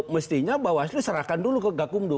mestinya bawaslu serahkan dulu ke gakumdu